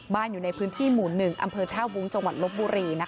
บ้านอยู่ในพื้นที่หมู่๑อำเภอเท่าบุงจังหวัดลบบุรีนะคะ